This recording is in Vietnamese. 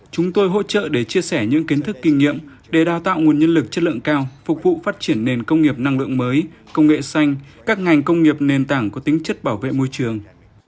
chúng tôi hỗ trợ để chia sẻ những kiến thức kinh nghiệm để đào tạo nguồn nhân lực chất lượng cao phục vụ phát triển nền công nghiệp năng lượng mới công nghệ xanh các ngành công nghiệp nền tảng có tính chất bảo vệ môi trường